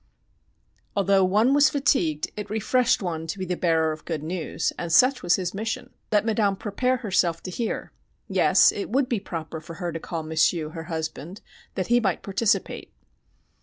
Although one was fatigued it refreshed one to be the bearer of good news, and such was his mission. Let Madame prepare herself to hear. Yes, it would be proper for her to call M'sieu', her husband, that he might participate.